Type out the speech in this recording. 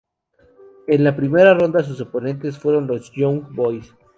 En la primera ronda sus oponentes fueron los Young Boys.